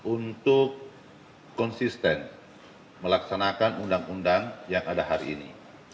untuk konsisten melaksanakan undang undang yang ada hari ini